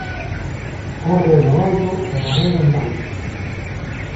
Hórreo no alto e bodega embaixo.